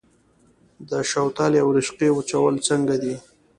د شوتلې او رشقه وچول څنګه دي؟